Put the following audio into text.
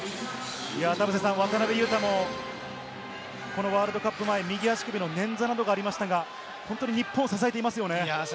渡邊雄太もこのワールドカップ前、右足首の捻挫などありましたが、本当に日本を支えていますよね。